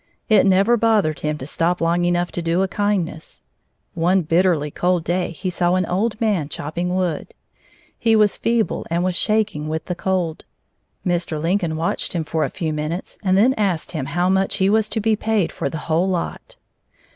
It never bothered him to stop long enough to do a kindness. One bitterly cold day he saw an old man chopping wood. He was feeble and was shaking with the cold. Mr. Lincoln watched him for a few minutes and then asked him how much he was to be paid for the whole lot.